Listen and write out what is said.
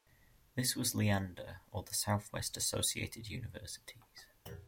This was Lianda, or the Southwest Associated Universities.